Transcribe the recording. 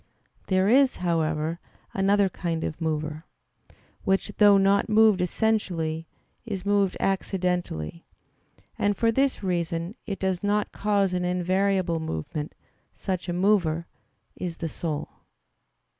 There is, however, another kind of mover, which, though not moved essentially, is moved accidentally; and for this reason it does not cause an invariable movement; such a mover, is the soul.